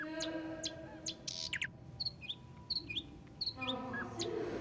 何か焦る。